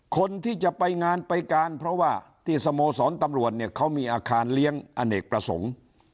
คนที่จะไปงานไปการเพราะว่าที่สโมสรตำรวจเนี่ยเขามีอาคารเลี้ยงอเนกประสงค์